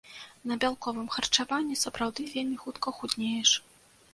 На бялковым харчаванні сапраўды вельмі хутка худнееш.